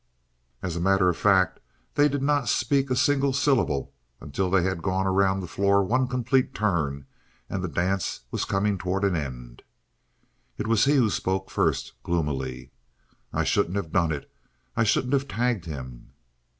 As a matter of fact they did not speak a single syllable until they had gone around the floor one complete turn and the dance was coming toward an end. It was he who spoke first, gloomily: "I shouldn't have done it; I shouldn't have tagged him!"